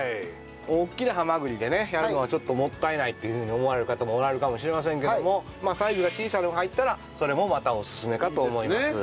大きなハマグリでねやるのはちょっともったいないっていうふうに思われる方もおられるかもしれませんけどもサイズが小さいのが入ったらそれもまたおすすめかと思います。